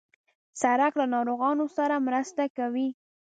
سړک له ناروغانو سره مرسته کوي.